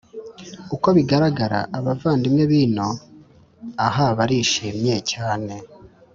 Uko bigaragara abavandimwe b ino aha barishimye cyane